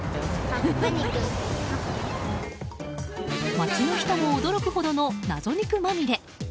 街の人も驚くほどの謎肉まみれ。